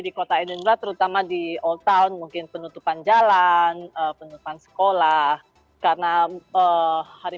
di kota indonesia terutama di old town mungkin penutupan jalan penutupan sekolah karena hari